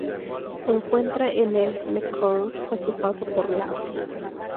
Se encuentra en el Mekong a su paso por Laos.